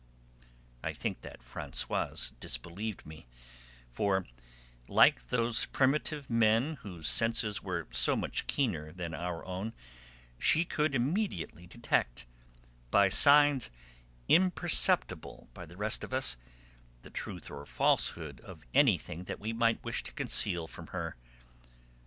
I think that Françoise disbelieved me, for, like those primitive men whose senses were so much keener than our own, she could immediately detect, by signs imperceptible by the rest of us, the truth or falsehood of anything that we might wish to conceal from her.